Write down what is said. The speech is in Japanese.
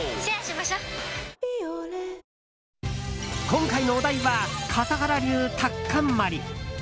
今回のお題は笠原流タッカンマリ。